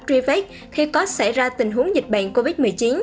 truy vết khi có xảy ra tình huống dịch bệnh covid một mươi chín